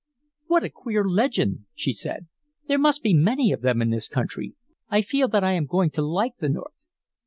"What a queer legend!" she said. "There must be many of them in this country. I feel that I am going to like the North."